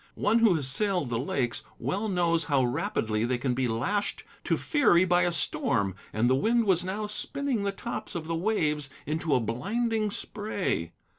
One who has sailed the lakes well knows how rapidly they can be lashed to fury by a storm, and the wind was now spinning the tops of the waves into a blinding spray.